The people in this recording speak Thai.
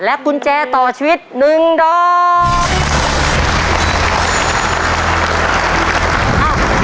กุญแจต่อชีวิต๑ดอก